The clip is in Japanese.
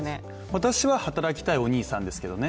私は働きたいお兄さんですけどね。